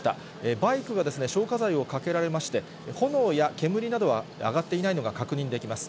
バイクが消火剤をかけられまして、炎や煙などは上がっていないのが確認できます。